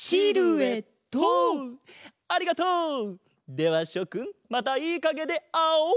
ではしょくんまたいいかげであおう！